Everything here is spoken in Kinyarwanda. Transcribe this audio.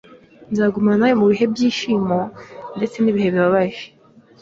Nzagumana nawe mubihe byishimo ndetse nibihe bibabaje.